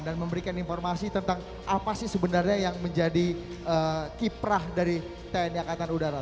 dan memberikan informasi tentang apa sih sebenarnya yang menjadi kiprah dari tni angkatan udara